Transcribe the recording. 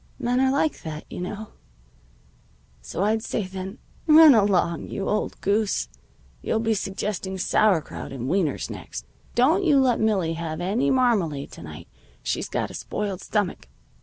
"Men are like that, you know. So I'd say then: 'Run along, you old goose! You'll be suggesting sauerkraut and wieners next. Don't you let Millie have any marmalade to night. She's got a spoiled stomach.'